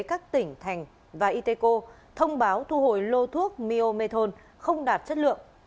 các tỉnh thành và yteco thông báo thu hồi lô thuốc myomethon không đạt chất lượng